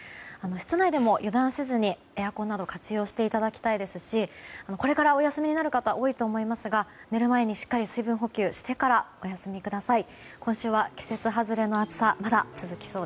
室内でも油断せずにエアコンなどを活用していただきたいですしこれからお休みになる方多いと思いますが寝る前にしっかり水分補給してお休みください。